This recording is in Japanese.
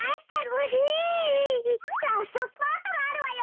ラストスパートがあるわよ！